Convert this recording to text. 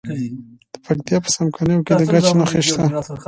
د پکتیا په څمکنیو کې د ګچ نښې شته.